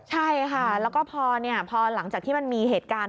ใช่ค่ะแล้วก็พอหลังจากที่มันมีเหตุการณ์